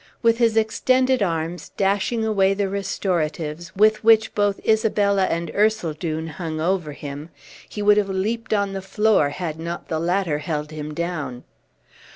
With his extended arms dashing away the restoratives with which both Isabella and Ercildown hung over him, he would have leaped on the floor had not the latter held him down.